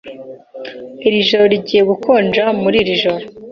Iri joro rigiye gukonja muri iri joro.